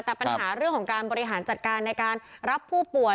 แต่ปัญหาเรื่องของการบริหารจัดการในการรับผู้ป่วย